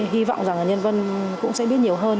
hy vọng rằng nhân văn cũng sẽ biết nhiều hơn